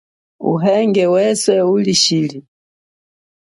Uhenge weswe uli chili.